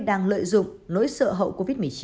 đang lợi dụng nỗi sợ hậu covid một mươi chín